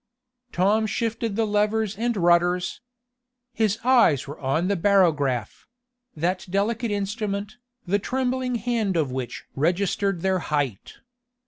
Tom shifted the levers and rudders. His eyes were on the barograph that delicate instrument, the trembling hand of which registered their height.